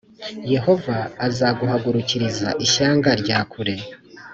Yehova azaguhagurukiriza ishyanga rya kure,